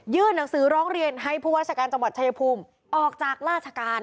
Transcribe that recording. หนังสือร้องเรียนให้ผู้ว่าราชการจังหวัดชายภูมิออกจากราชการ